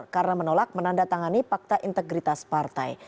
karena menolak menandatangani pakta integritas partai